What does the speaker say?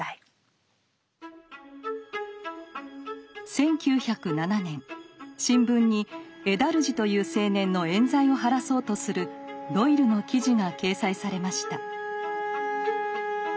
１９０７年新聞にエダルジという青年の冤罪を晴らそうとするドイルの記事が掲載されました。